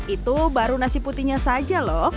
itu baru nasi putihnya saja loh